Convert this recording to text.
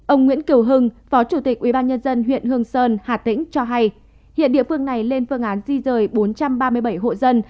ông nguyễn kiều hưng phó chủ tịch ubnd huyện hương sơn hà tĩnh cho hay hiện địa phương này lên phương án di rời bốn trăm ba mươi bảy hộ dân